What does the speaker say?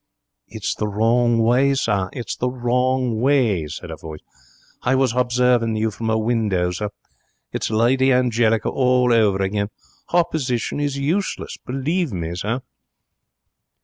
'It's the wrong way, sir; it's the wrong way,' said a voice. 'I was hobserving you from a window, sir. It's Lady Angelica over again. Hopposition is useless, believe me, sir.'